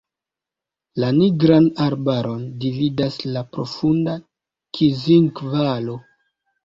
La Nigran arbaron dividas la profunda Kinzig-valo.